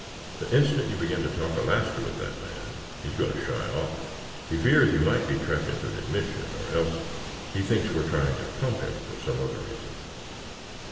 The instant you begin to talk Alaska with that man he is going to shy off. He fears he might be trapped into an admission, or else he thinks we are trying to pump him for some other reason.